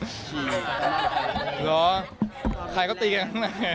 โหวนโหวนเราอะไรแบบประมาณหรอใครก็ตีกัน